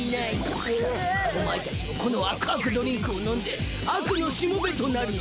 さあおまえたちもこの悪悪ドリンクを飲んで悪のしもべとなるのだ。